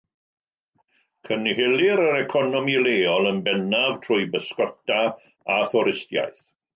Cynhelir yr economi leol yn bennaf trwy bysgota a thwristiaeth.